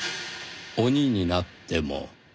「鬼になっても」。